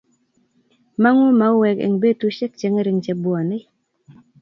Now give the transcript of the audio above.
mangu mauwek eng betushiek chengering chebwone